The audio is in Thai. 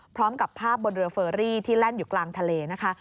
พร้อมกับภาพบนเรือเฟอรี่ที่แล่นอยู่กลางทะเลนะคะ